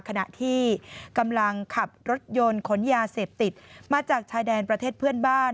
ขณะที่กำลังขับรถยนต์ขนยาเสพติดมาจากชายแดนประเทศเพื่อนบ้าน